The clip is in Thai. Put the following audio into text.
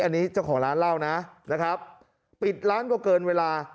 อันนี้เจ้าของร้านเล่านะนะครับปิดร้านก็เกินเวลา